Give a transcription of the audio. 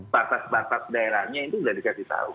batas batas daerahnya itu sudah diberitahu